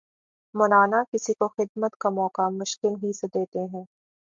مولانا کسی کو خدمت کا موقع مشکل ہی سے دیتے تھے